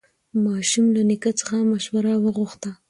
ماشوم له نیکه څخه مشوره وغوښته